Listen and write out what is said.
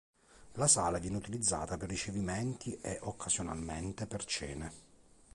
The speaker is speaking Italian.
La sala viene utilizzata per ricevimenti e, occasionalmente, per cene.